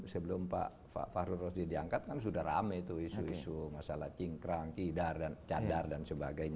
sebelum pak fahdur rosti diangkat kan sudah rame itu isu isu masalah cingkrang cidar dan cadar dan sebagainya